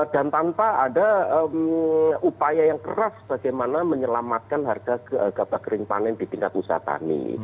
dan tanpa ada upaya yang keras bagaimana menyelamatkan harga gabah kering panen di tingkat usaha tani